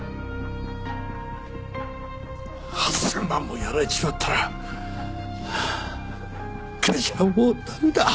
８０００万もやられちまったらはあ会社はもう駄目だ。